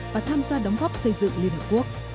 và tham gia đóng góp xây dựng liên hợp quốc